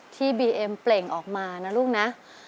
บีเอ็มเปล่งออกมานะลูกนะ